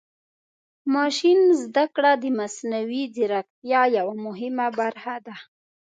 ماشین زده کړه د مصنوعي ځیرکتیا یوه مهمه برخه ده.